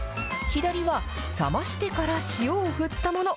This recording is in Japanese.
左は、冷ましてから塩を振ったもの。